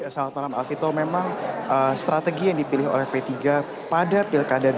salam alkitab memang strategi yang dipilih oleh p tiga pada pilkada dua ribu tujuh belas